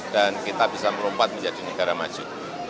dan kita bisa merompat menjadi negara maju